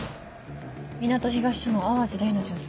港東署の淡路れいな巡査。